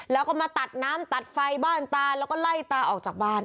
แล้วก็มาตัดน้ำตัดไฟบ้านตาแล้วก็ไล่ตาออกจากบ้าน